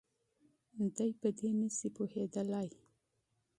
دی په دې نه شي پوهېدلی.